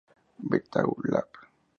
Virtual Lab